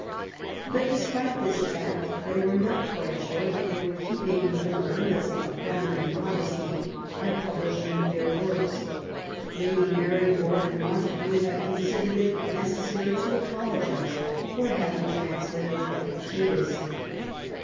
But, despite this fact, they were not quite sure that they were keeping within the limits of feminine modesty by publishing theii writings. Lady Mary Wortley Montagu had considered it necessary V ';jj5 to apologise for having translated Epictetus.